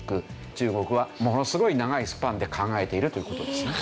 中国はものすごい長いスパンで考えているという事ですね。